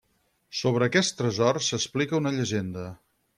Sobre aquest tresor s'explica una llegenda.